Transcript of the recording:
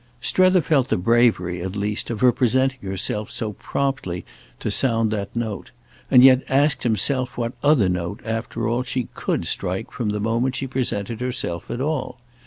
Strether felt the bravery, at the least, of her presenting herself so promptly to sound that note, and yet asked himself what other note, after all, she could strike from the moment she presented herself at all.